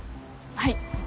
はい。